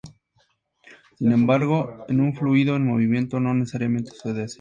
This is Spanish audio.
Sin embargo, en un fluido en movimiento no necesariamente sucede así.